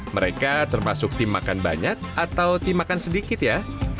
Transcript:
mereka termasuk tim makan banyak atau tim makan sedikit ya